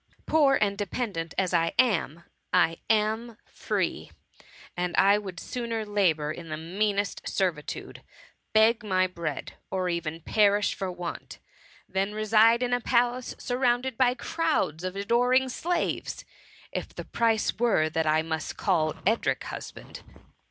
Poor and de pendant as I am, I am free ; and I would sooner labour in the meanest servitude, beg my bread, or even perish for want, than reside in a palace surrounded by crowds of adoring slaves, if the price were that I must call Edric husband.'